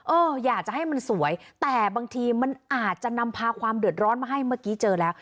อยากจะให้มันสวยแต่บางทีมันอาจจะนำพาความเดือดร้อนมาให้เมื่อกี้เจอแล้ว